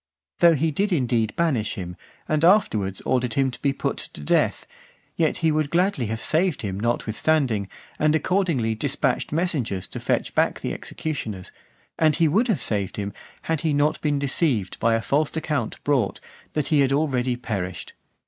(456) Though he did indeed banish him, and afterwards ordered him to be put to death, yet he would gladly have saved him notwithstanding, and accordingly dispatched messengers to fetch back the executioners; and he would have saved him, had he not been deceived by a false account brought, that he had already perished.